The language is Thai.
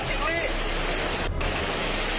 ตัวปริงแกบล้อยางล้อยาง